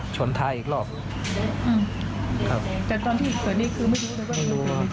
ชนทายอีกรอบอืมครับแต่ตอนที่ตอนนี้คือไม่รู้ว่า